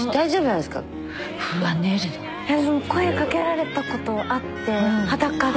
いやでも声かけられたことあって裸で。